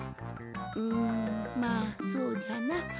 んまあそうじゃな。